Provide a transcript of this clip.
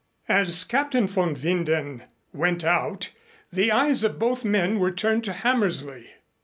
As Captain von Winden went out, the eyes of both men were turned to Hammersley.